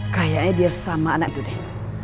kayaknya dia sama anak itu deh